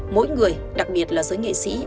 mỗi người đặc biệt là giới nghệ sĩ